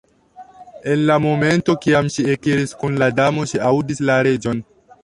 En la momento kiam ŝi ekiris kun la Damo, ŝi aŭdis la Reĝon.